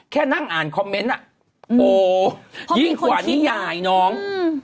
นั่งอ่านคอมเมนต์อ่ะโหยิ่งกว่านิยายน้อง